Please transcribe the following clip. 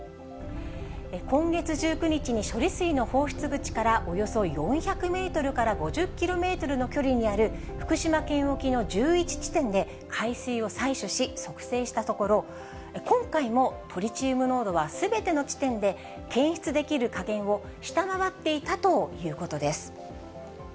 今月１９日に、処理水の放出口からおよそ４００メートルから５０キロメートルの距離にある、福島県沖の１１地点で海水を採取し測定したところ、今回もトリチウム濃度はすべての地点で検出できる下限を下回っていたということです。